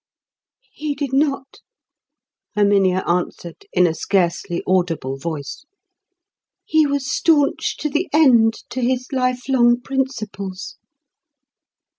"He did not," Herminia answered, in a scarcely audible voice. "He was staunch to the end to his lifelong principles."